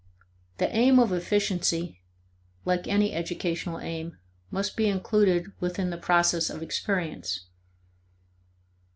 The aim of efficiency (like any educational aim) must be included within the process of experience.